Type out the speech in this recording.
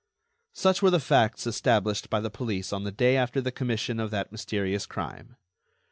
Such were the facts established by the police on the day after the commission of that mysterious crime.